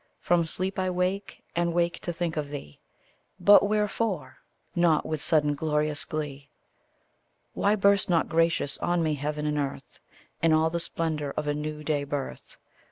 From sleep I wake, and wake to think of thee. But wherefore not with sudden glorious glee? Why burst not gracious on me heaven and earth In all the splendour of a new day birth?